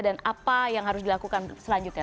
dan apa yang harus dilakukan selanjutnya